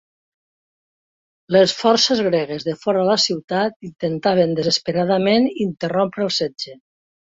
Les forces gregues de fora la ciutat intentaven desesperadament interrompre el setge.